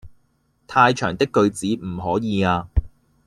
太長的句子唔可以呀